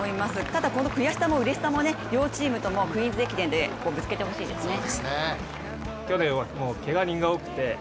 ただこの悔しさもうれしさも両チームともクイーンズ駅伝でぶつけてほしいですね。